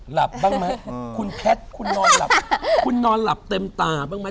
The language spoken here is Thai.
หลับบ้างมั้ยคุณแพทคุณนอนหลับเต็มตาบ้างมั้ย